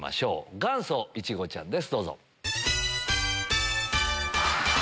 元祖いちごちゃんです